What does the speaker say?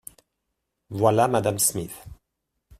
Voilà Mme. Smith.